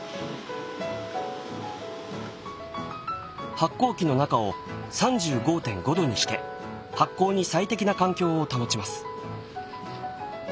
発酵機の中を３５．５度にして発酵に最適な環境を保ちます。